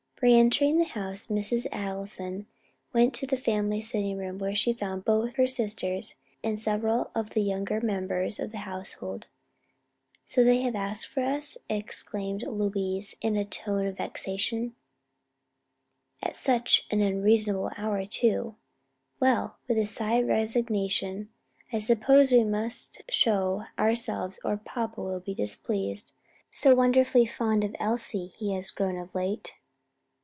Re entering the house Mrs. Allison went to the family sitting room where she found both her sisters and several of the younger members of the household. "So they have asked for us?" exclaimed Louise in a tone of vexation, "at such an unreasonable hour too. Well," with a sigh of resignation, "I suppose we must show ourselves or papa will be displeased: so wonderfully fond of Elsie as he has grown of late."